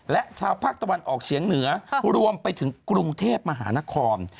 และชาวภาคตะวันออกเฉียงเหนือรวมไปถึงกรุงเทพมหานคร